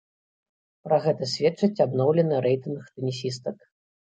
Пра гэта сведчыць абноўлены рэйтынг тэнісістак.